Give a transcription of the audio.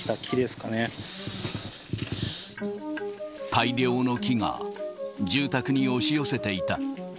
大量の木が住宅に押し寄せていた。